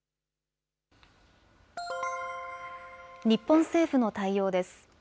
日本政府の対応です。